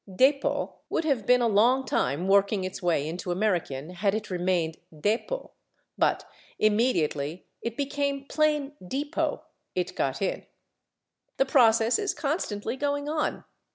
/Dépôt/ would have been a long time working its way into American had it remained /dépôt/, but immediately it became plain /depot/ it got in. The process is constantly going on.